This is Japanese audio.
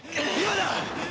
今だ！